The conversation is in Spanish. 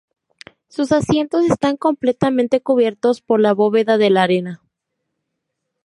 Sus asientos están completamente cubiertos por la bóveda de la arena.